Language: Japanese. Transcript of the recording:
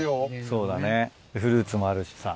そうだねフルーツもあるしさ。